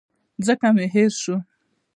ځکه مي هېر شو .